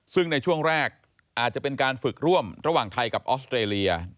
ซึ่งในช่วงแรกอาจจะเป็นการฝึกร่วมระหว่างไทยกับออสเตรเลีย